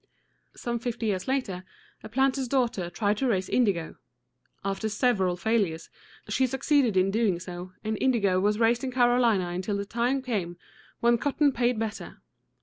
Some fifty years later, a planter's daughter tried to raise indigo. After several failures, she succeeded in doing so, and indigo was raised in Carolina until the time came when cotton paid better.